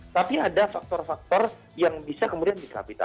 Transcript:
tapi ada faktor faktor yang bisa kemudian disabilitas